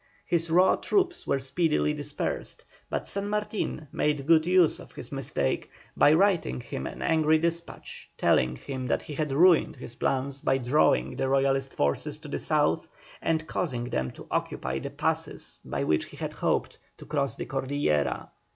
His raw troops were speedily dispersed, but San Martin made good use of his mistake by writing him an angry despatch, telling him that he had ruined his plans by drawing the Royalist forces to the south and causing them to occupy the passes by which he had hoped to cross the Cordillera.